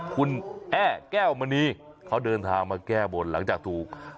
คุณแอ้แก้วมณีเขาเดินทางมาแก้บนหลังจากถูก